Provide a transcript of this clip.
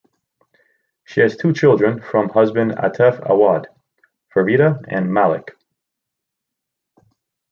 She has two children from husband Atef Awad, Fareeda and Malak.